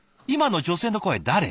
今の女性の声誰？